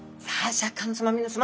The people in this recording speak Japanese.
シャーク香音さま皆さま！